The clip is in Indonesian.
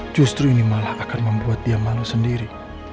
justru ini malah akan membuat dia malu sendiri